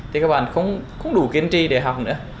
thì các bạn không đủ kiên trì để học nữa